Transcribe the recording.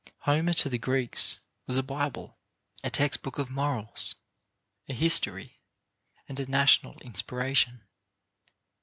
Homer to the Greeks was a Bible, a textbook of morals, a history, and a national inspiration.